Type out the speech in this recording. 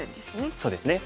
そうですね。